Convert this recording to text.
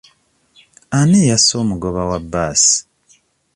Ani yasse omugoba wa bbaasi?